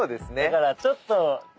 だからちょっと。